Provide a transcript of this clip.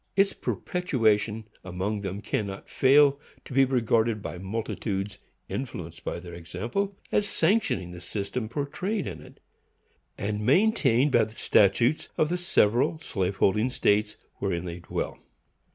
Its perpetuation among them cannot fail to be regarded by multitudes, influenced by their example, as sanctioning the system portrayed in it, and maintained by the statutes of the several slave holding states, wherein they dwell.